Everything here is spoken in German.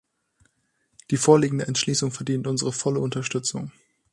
Die vorliegende Entschließung verdient unsere volle Unterstützung.